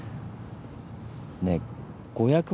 ねえ５００万